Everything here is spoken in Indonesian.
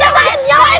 yang lain yang lain